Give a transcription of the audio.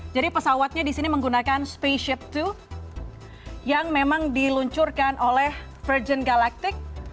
jadi pesawatnya disini menggunakan spaceship two yang memang diluncurkan oleh virgin galactic